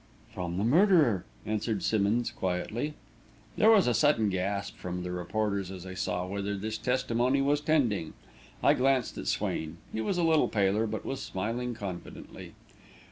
"From the murderer," answered Simmonds, quietly. There was a sudden gasp from the reporters, as they saw whither this testimony was tending. I glanced at Swain. He was a little paler, but was smiling confidently.